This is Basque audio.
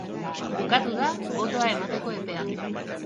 Bukatu da botoa emateko epea.